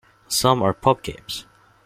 Some are pub games.